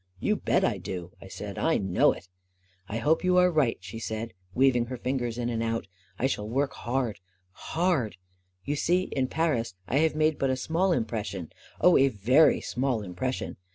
" You bet I do !" I said. " I know it !" 44 1 hope you are right," she said, weaving her fingers in and out " I shall work hard — hard. You see, in Paris, I have made but a small impres sion — oh, a very small impression!